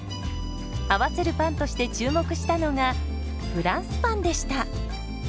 合わせるパンとして注目したのがフランスパンでした。